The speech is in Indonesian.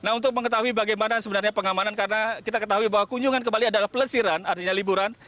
nah untuk mengetahui bagaimana sebenarnya pengamanan karena kita ketahui bahwa kunjungan ke bali adalah pelesiran artinya liburan